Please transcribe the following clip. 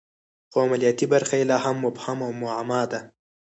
خو عملیاتي برخه یې لا هم مبهم او معما ده